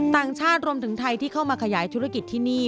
ต่างชาติรวมถึงไทยที่เข้ามาขยายธุรกิจที่นี่